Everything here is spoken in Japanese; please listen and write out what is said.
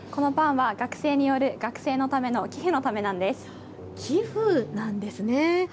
このパンは学生による学生のための寄付なんです。